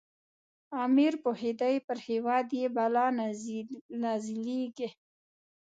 امیر پوهېدی پر هیواد یې بلا نازلیږي.